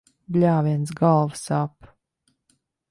Bļāviens, galva sāp.